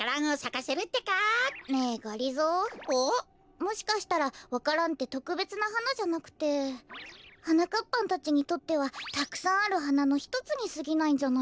もしかしたらわか蘭ってとくべつなはなじゃなくてはなかっぱんたちにとってはたくさんあるはなのひとつにすぎないんじゃないかな。